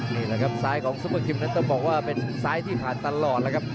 นี่แหละครับซ้ายของซุปเปอร์คิมนั้นต้องบอกว่าเป็นซ้ายที่ผ่านตลอดแล้วครับ